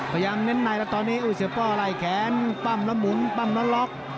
เน้นในแล้วตอนนี้เสียป้อไล่แขนปั้มแล้วหมุนปั้มแล้วล็อก